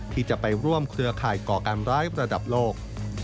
ที่จะไปร่วมเครือข่ายก่อการร้ายระดับโลก